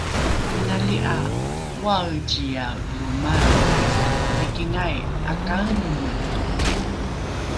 inali ’a oaeciae lo maelre mikingai ’akaeneme toki